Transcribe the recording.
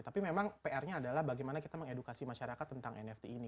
tapi memang pr nya adalah bagaimana kita mengedukasi masyarakat tentang nft ini